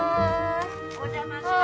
お邪魔します。